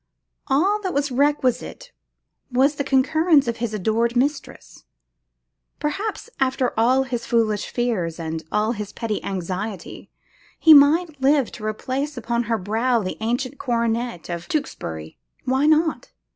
All that was requisite was the concurrence of his adored mistress. Perhaps, after all his foolish fears and all his petty anxiety, he might live to replace upon her brow the ancient coronet of Tewkesbury! Why not?